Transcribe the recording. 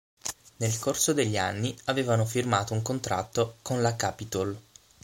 Nel corso degli anni, avevano firmato un contratto con la Capitol.